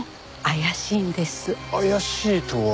怪しいとは？